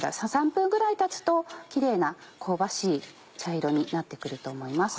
３分ぐらいたつときれいな香ばしい茶色になって来ると思います。